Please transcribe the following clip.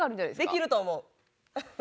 できると思う。